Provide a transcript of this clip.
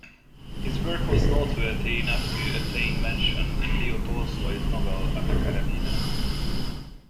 His work was noteworthy enough to attain mention in Leo Tolstoy's novel, Anna Karenina.